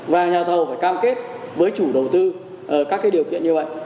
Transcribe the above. và nhà thầu phải cam kết với chủ đầu tư các điều kiện như vậy